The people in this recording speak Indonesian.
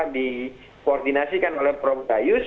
di koordinasikan oleh prof gayus